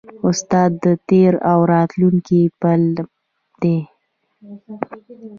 استاد د تېر او راتلونکي پل دی.